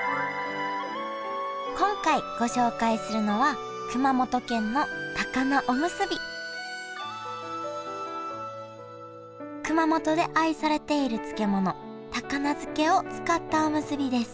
今回ご紹介するのは熊本で愛されている漬物高菜漬けを使ったおむすびです。